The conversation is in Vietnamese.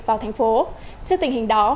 vào thành phố trước tình hình đó